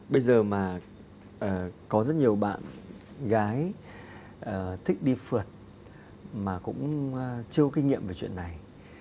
bây giờ mà có rất nhiều bạn gái thích đi phượt mà cũng chưa kinh nghiệm về chuyện này